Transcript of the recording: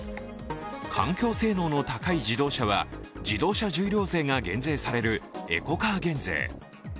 環境性能の高い自動車は自動車重量税が減税されるエコカー減税。